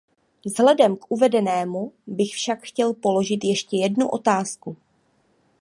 Vzhledem k uvedenému bych však chtěl položit ještě jednu otázku.